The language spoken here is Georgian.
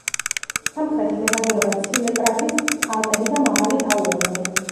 სამხრეთით ესაზღვრება ცილერტალის ალპები და მაღალი ტაუერნი.